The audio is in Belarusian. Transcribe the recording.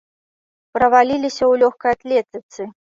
Праваліліся ў лёгкай атлетыцы.